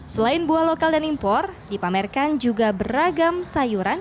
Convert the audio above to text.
selain buah lokal dan impor dipamerkan juga beragam sayuran